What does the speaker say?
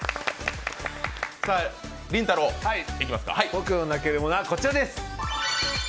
僕の泣けるものはこちらです。